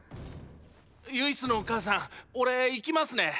ユイスのお母さん俺行きますね。